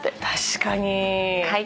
確かに。